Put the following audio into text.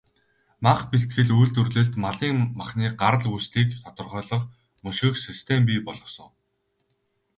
Мах бэлтгэл, үйлдвэрлэлд малын махны гарал үүслийг тодорхойлох, мөшгөх систем бий болгосон.